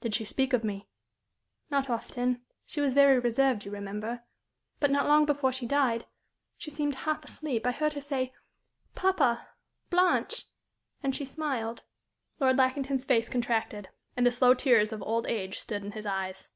"Did she speak of me?" "Not often. She was very reserved, you remember. But not long before she died she seemed half asleep I heard her say, 'Papa! Blanche!' and she smiled." Lord Lackington's face contracted, and the slow tears of old age stood in his eyes.